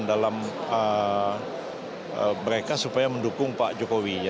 dalam mereka supaya mendukung pak jokowi